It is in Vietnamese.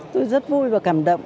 tôi rất vui và cảm động